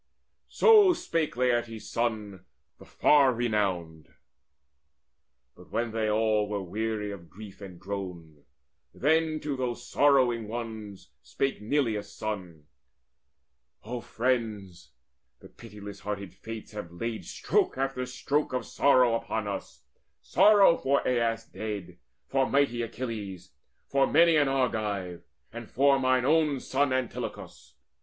So spake Laertes' son, the far renowned. But when they all were weary of grief and groan, Then to those sorrowing ones spake Neleus' son: "O friends, the pitiless hearted Fates have laid Stroke after stroke of sorrow upon us, Sorrow for Aias dead, for mighty Achilles, For many an Argive, and for mine own son Antilochus.